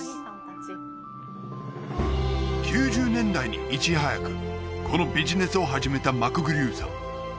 ９０年代にいち早くこのビジネスを始めたマクグリュウさん